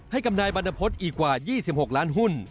ให้กับนายบรรณพฤษอีกกว่า๒๖ล้านหุ้น